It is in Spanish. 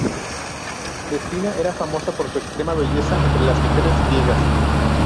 Despina era famosa por su extrema belleza entre las mujeres griegas.